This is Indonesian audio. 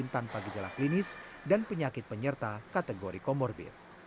tanpa gejala klinis dan penyakit penyerta kategori komorbit